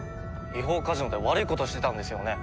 違法カジノで悪いことしてたんですよね？